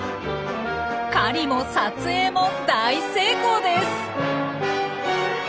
狩りも撮影も大成功です！